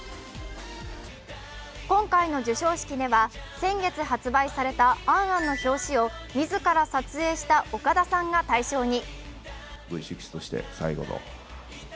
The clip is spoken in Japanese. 今回の授賞式では先月発売された「ａｎ・ａｎ」の表紙を自ら撮影した岡田さんが対象に。